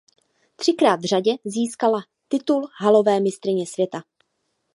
Třikrát v řadě získala titul halové mistryně světa.